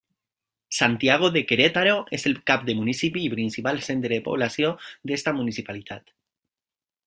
Santiago de Querétaro és el cap de municipi i principal centre de població d'aquesta municipalitat.